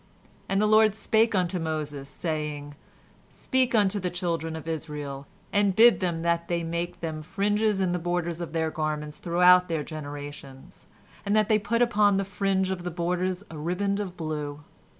"And the Lord spake unto Moses, saying, "Speak unto the children of Israel, and bid them that they make them fringes in the borders of their garments throughout their generations, and that they put upon the fringe of the borders a ribband of blue.